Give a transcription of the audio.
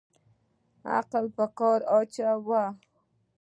عقل په کار واچوه